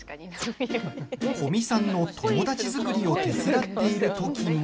古見さんの友達作りを手伝っているときも。